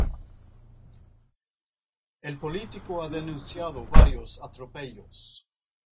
El político ha denunciado varios atropellos.